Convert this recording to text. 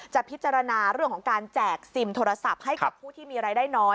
พิจารณาเรื่องของการแจกซิมโทรศัพท์ให้กับผู้ที่มีรายได้น้อย